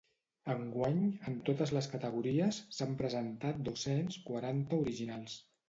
Enguany, en totes les categories, s’han presentat dos-cents quaranta originals.